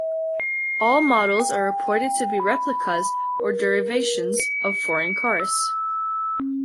All models are reported to be replicas or derivations of foreign cars.